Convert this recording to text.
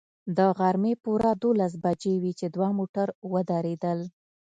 د غرمې پوره دولس بجې وې چې دوه موټر ودرېدل.